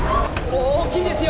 大きいですよ